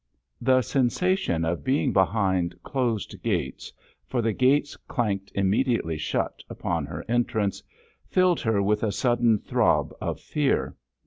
The sensation of being behind closed gates—for the gates clanked immediately shut upon her entrance—filled her with a sudden throb of fear.